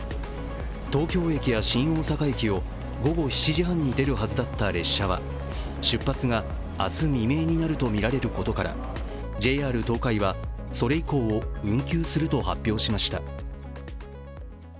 東京駅や新大阪駅を午後７時半に出るはずだった列車は、出発が明日未明になるとみられることからＪＲ東海は、それ以降を運休すると発表しました。